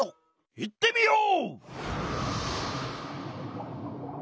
いってみよう！